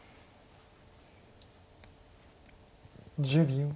１０秒。